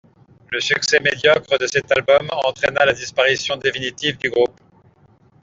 Le succès médiocre de cet album entraîna la disparition définitive du groupe.